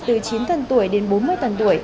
từ chín tuần tuổi đến bốn mươi tuần tuổi